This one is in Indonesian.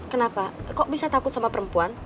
kenapa kok bisa takut sama perempuan